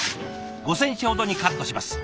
５センチほどにカットします。